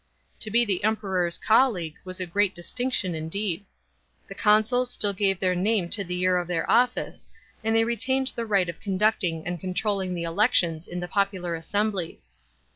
To be the Emperor's coll^a^ue was a great distinction indeed. The consuls still give their name to the year of their office, and they ret dned the right of conducting and controlling the elections in the popular assemblies.